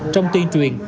trong tuyên truyền